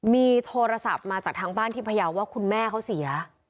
มีโทรศัพท์มาจากทางบ้านที่พยาวว่าคุณแม่เขาเสีย